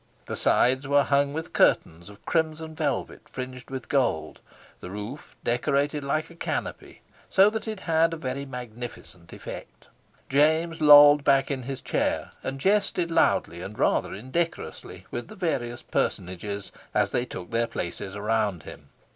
The sides were hung with curtains of crimson velvet fringed with gold; the roof decorated like a canopy; so that it had a very magnificent effect. James lolled back in his chair, and jested loudly and rather indecorously with the various personages as they took their places around him.